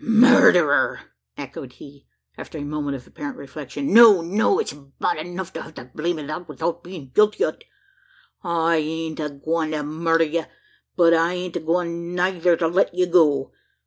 "Murderer!" echoed he, after a moment of apparent reflection. "No, no; it's bad enuf to hev the blame o' that, 'ithout bein' guilty o't. I ain't agwine to murder ye; but I ain't agwine neyther to let ye go.